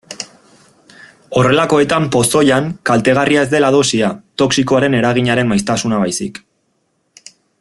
Horrelakoetan pozoian kaltegarria ez dela dosia, toxikoaren eraginaren maiztasuna baizik.